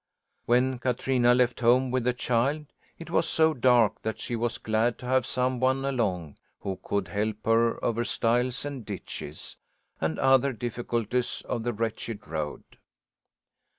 When Katrina left home, with the child, it was so dark that she was glad to have some one along who could help her over stiles and ditches, and other difficulties of the wretched road.